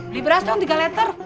beli beras dong tiga letter